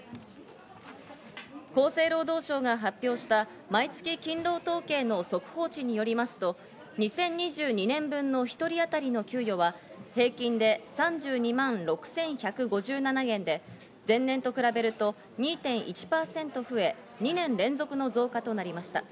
厚生労働省が発表した毎月勤労統計の速報値によりますと、２０２２年分の１人当たりの給与は平均で３２万６１５７円で、前年と比べると２．１％増え、２年連続の増加となりました。